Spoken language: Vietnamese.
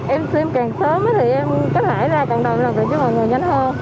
em tiêm càng sớm thì em cách hải ra càng đồng lần với mọi người nhanh hơn